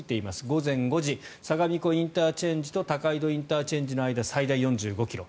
午前５時、相模湖ＩＣと高井戸ＩＣの間最大４５ｋｍ。